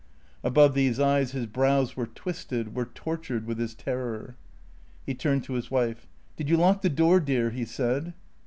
Above these eyes his brows were twisted, were tortured with his terror. He turned to his wife. "Did you lock the door, dear?" he said.